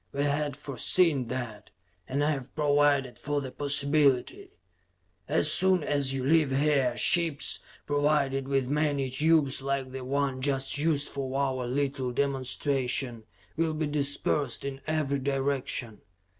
We had foreseen that, and have provided for the possibility. "As soon as you leave here, ships, provided with many tubes like the one just used for our little demonstration, will be dispersed in every direction.